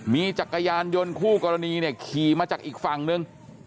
มีจักรยานยนต์คู่กรณีเนี่ยขี่มาจากอีกฝั่งนึง